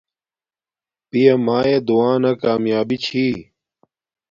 پیا مایے دعا نا کامیابی چھی